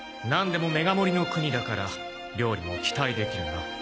なんでもメガ盛りの国だから料理も期待できるな。